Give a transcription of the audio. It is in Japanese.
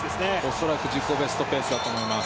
恐らく自己ベストペースだと思います。